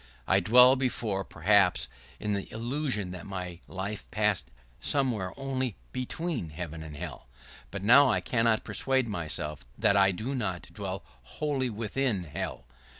I dwelt before, perhaps, in the illusion that my life passed somewhere only between heaven and hell, but now I cannot persuade myself that I do not dwell wholly within hell.